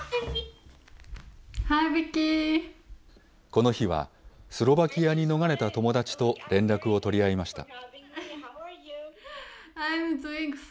この日はスロバキアに逃れた友達と連絡を取り合いました。